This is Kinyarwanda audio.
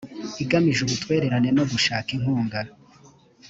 igamije ubutwererane no gushaka inkunga